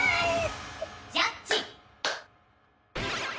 ジャッジ！